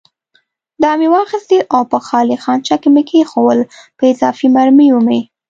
دا مې واخیستل او په خالي خانچه کې مې کېښوول، په اضافي مرمیو مې.